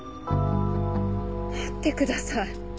待ってください。